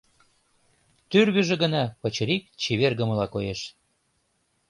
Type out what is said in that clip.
Тӱрвыжӧ гына пычырик чевергымыла коеш.